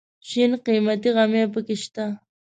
شین قیمتي غمی پکې شته.